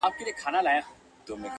چي پخوا چېرته په ښار د نوبهار کي؛